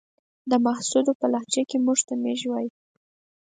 د محسودو په لهجه کې موږ ته ميژ وايې.